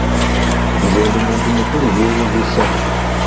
Nze ndi muntu mukulu gw'owozesa.